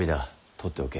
取っておけ。